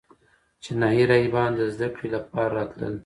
چینایي راهبان د زده کړې لپاره راتلل